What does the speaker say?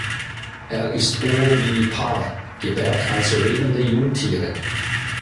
Er ist ovovivipar, gebärt also lebende Jungtiere.